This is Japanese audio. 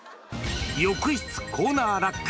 浴室コーナーラック。